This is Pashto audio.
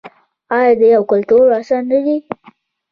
آیا د یو کلتور وارثان نه دي؟